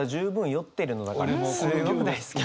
がすごく大好き。